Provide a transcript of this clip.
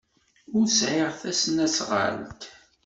Ur sɛiɣ tasnasɣalt.